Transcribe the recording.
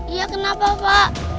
iya kenapa pak